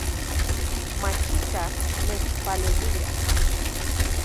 Machikaj nechpaleuia